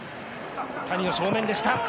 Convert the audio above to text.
谷の正面でした。